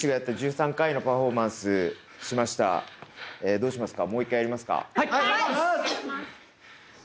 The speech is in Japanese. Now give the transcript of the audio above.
どうしますか？